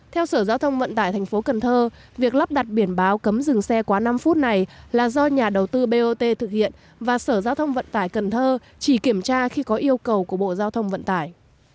theo sở giao thông vận tải thành phố cần thơ việc lắp đặt biển báo cấm dừng xe quá năm phút này là do nhà đầu tư bot thực hiện và sở giao thông vận tải cần thơ chỉ kiểm tra khi có yêu cầu của bộ giao thông vận tải